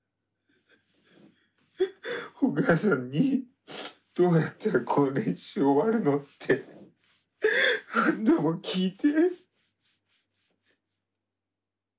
お母さんにどうやったらこの練習終わるの？って何度も聞いて。